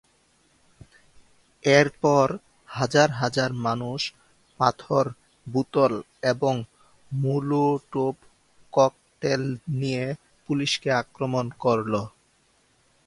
এরপর হাজার হাজার মানুষ পাথর, বোতল এবং মোলোটোভ ককটেল নিয়ে পুলিশকে আক্রমণ করে।